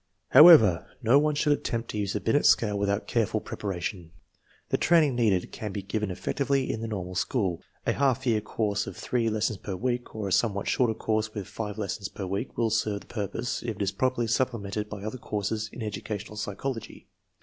However, no one should attempt to use the Binet scale without careful preparation. The training needed can be given effectively in the normal school. A half year course of three lessons per week, or a somewhat shorter course with five lessons per week, will serve the pur pose if it is properly supplemented by other courses in educational psychology.